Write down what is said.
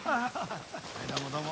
はいどうもどうも。